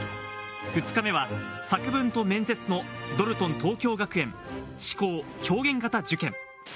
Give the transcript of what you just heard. ２日目は作文と面接のドルトン東京学園思考・表現型受験。